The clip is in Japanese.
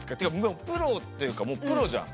プロっていうかもうプロじゃん。